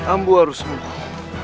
ambu harus mungkul